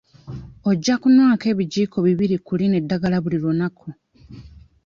Ojja kunywako ebijiiko bibiri ku lino eddagala buli lunaku.